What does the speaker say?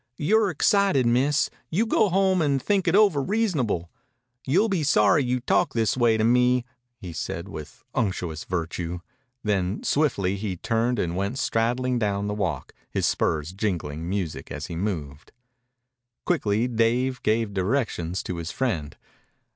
"You're excited, Miss. You go home an' think it over reasonable. You'll be sorry you talked this away to me," he said with unctuous virtue. Then, swiftly, he turned and went straddling down the walk, his spurs jingling music as he moved. Quickly Dave gave directions to his friend.